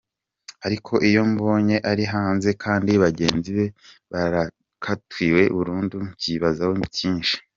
Ariko iyo mubonye ari hanze kandi bagenzi be barakatiwe burundu mbyibazaho byinshi.